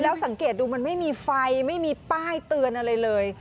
แล้วสังเกตดูมันไม่มีไฟไม่มีป้ายเตือนอะไรเลย